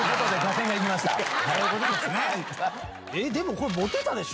これモテたでしょ？